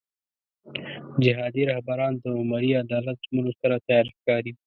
جهادي رهبران د عمري عدالت ژمنو سره تیار ښکاري.